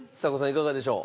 いかがでしょう？